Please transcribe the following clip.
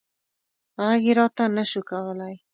غږ یې راته نه شو کولی.